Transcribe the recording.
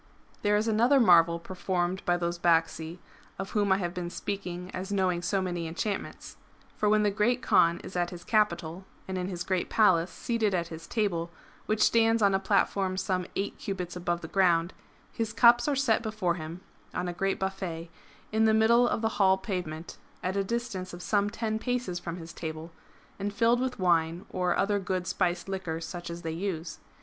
'' There is another marvel performed by those Bacsi, of whom I have been speaking as knowing so many enchantments. ^° For when the Great Kaan is at his capital and in his great Palace, seated at his table, which stands on a platform some eight cubits above the ground, his cups are set before him [on a great buffet] in the middle of the hall pavement, at a distance 302 MARCO POLO Book I. of some ten paces from his table, and filled with wine, or other good spiced liquor such as they use.